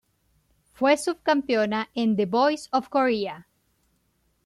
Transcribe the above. Fue subcampeona en The Voice of Korea.